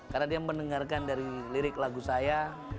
karena dia mendengarkan dari lirik lagu saya